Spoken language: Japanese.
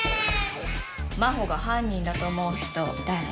真帆が犯人だと思う人誰？